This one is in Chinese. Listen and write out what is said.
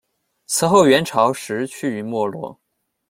此后元朝时趋于没落。